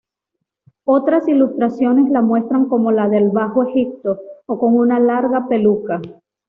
Otras ilustraciones la muestran con la del Bajo Egipto o con una larga peluca.